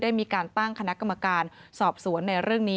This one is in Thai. มีการตั้งคณะกรรมการสอบสวนในเรื่องนี้